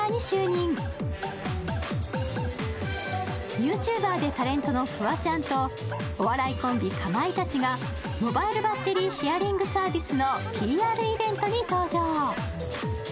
ＹｏｕＴｕｂｅｒでタレントのフワちゃんとお笑いコンビかまいたちがモバイルバッテリーシェアリングサービスのＰＲイベントに登場。